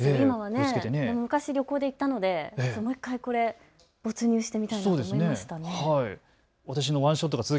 昔、旅行で行ったので、もう１回これ、没入してみたいですね。